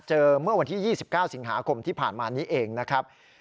เมื่อวันที่๒๙สิงหาคมที่ผ่านมานี้เองนะครับ